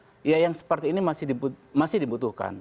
belum nyambung ya yang seperti ini masih dibutuhkan